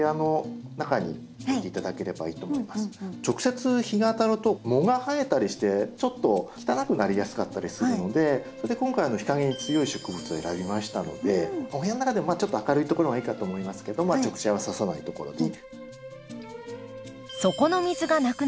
直接日が当たると藻が生えたりしてちょっと汚くなりやすかったりするのでそれで今回日陰に強い植物を選びましたのでお部屋の中でもちょっと明るいところがいいかと思いますけど直射はささないところに。